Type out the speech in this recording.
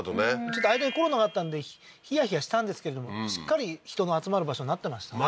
ちょっと間にコロナがあったんでヒヤヒヤしたんですけれどもしっかり人の集まる場所になってましたね